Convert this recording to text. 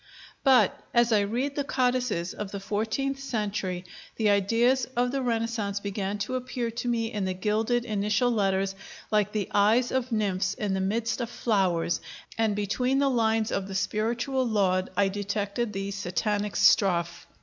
But as I read the codices of the fourteenth century, the ideas of the Renaissance began to appear to me in the gilded initial letters like the eyes of nymphs in the midst of flowers, and between the lines of the spiritual laude I detected the Satanic strophe."